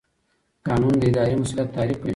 قانون د اداري مسوولیت تعریف کوي.